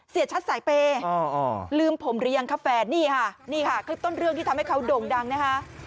เสียชัดสายเปย์ลืมผมหรือยังครับแฟนนี่ค่ะนี่ค่ะคลิปต้นเรื่องที่ทำให้เขาโด่งดังนะคะ